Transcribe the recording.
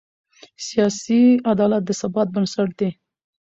سیاسي عدالت د ثبات بنسټ دی